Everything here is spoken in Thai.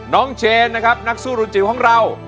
น้องเชนนะครับนักสู้รุนจิ๋วของเรา